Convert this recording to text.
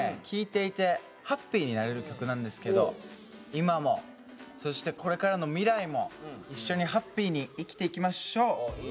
聴いていてハッピーになれる曲なんですけど今もそしてこれからの未来も一緒にハッピーに生きていきましょう！